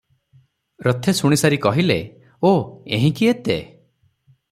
ରଥେ ଶୁଣିସାରି କହିଲେ, "ଓଃ ଏହିଁକି ଏତେ?